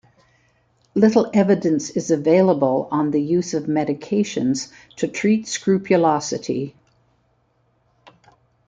Little evidence is available on the use of medications to treat scrupulosity.